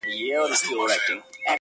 په نامه د افغان ډياسپورا